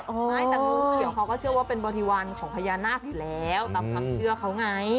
ไม่แต่งูเขียวเขาก็เชื่อว่าเป็นบริวารของพญานาคอยู่แล้วตามความเชื่อเขาไง